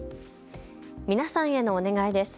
皆さんへのお願いです。